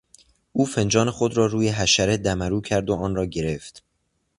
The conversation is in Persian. او فنجان خود را روی حشره دمرو کرد و آن را گرفت.